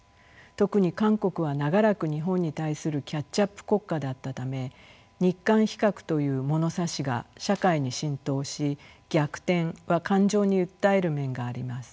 特に韓国は長らく日本に対するキャッチアップ国家だったため日韓比較という物差しが社会に浸透し逆転は感情に訴える面があります。